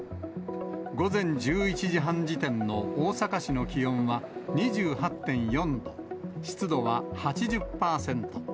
午前１１時半時点の大阪市の気温は２８．４度、湿度は８０％。